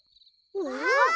わあ！